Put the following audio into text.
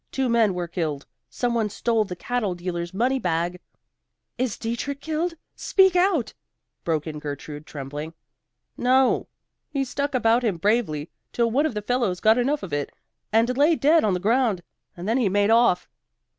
Two men were killed. Some one stole the cattle dealer's money bag " "Is Dietrich killed? Speak out!" broke in Gertrude, trembling. "No; he struck about him bravely, till one of the fellows got enough of it, and lay dead on the ground; and then he made off."